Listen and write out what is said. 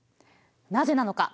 なぜなのか？